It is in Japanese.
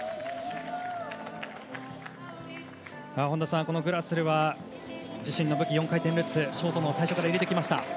本田さん、グラスルは自身の武器の４回転ルッツをショートの最初から入れました。